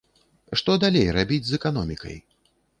Што далей рабіць з эканомікай?